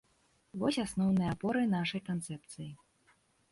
Вось асноўныя апоры нашай канцэпцыі.